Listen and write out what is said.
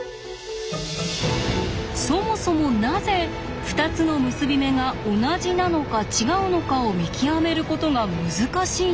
そもそもなぜ２つの結び目が同じなのか違うのかを見極めることが難しいのか？